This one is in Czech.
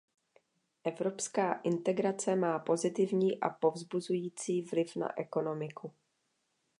Evropská integrace má pozitivní a povzbuzující vliv na ekonomiku.